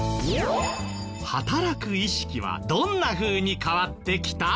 働く意識はどんなふうに変わってきた？